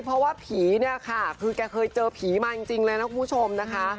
เพราะว่าผีเนี่ยค่ะคือแกเคยเจอผีมาจริงเลยนะคุณผู้ชมนะคะ